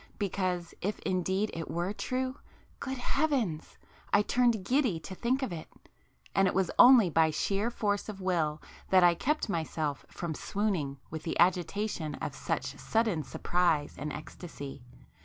Because,—if indeed it were true, ... good heavens!—I turned giddy to think of it,—and it was only by sheer force of will that I kept myself from swooning with the agitation of such sudden surprise and ecstasy.